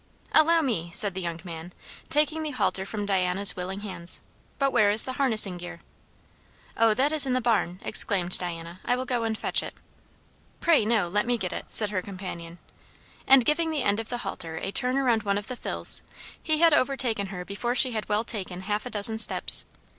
"Allow me" said the young man, taking the halter from Diana's willing hands; "but where is the harnessing gear?" "O, that is in the barn!" exclaimed Diana. "I will go and fetch it." "Pray no! Let me get it," said her companion; and giving the end of the halter a turn round one of the thills, he had overtaken her before she had well taken half a dozen steps.